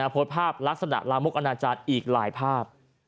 โพสต์ภาพลักษณะลามกอนาจารย์อีกหลายภาพ